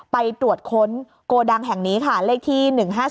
ไปตรวจค้นโกดังแห่งนี้ค่ะเลขที่๑๕๗